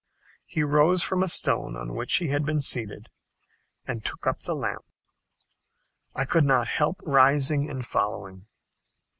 He rose from a stone on which he had been seated, and took up the lamp. I could not help rising and following.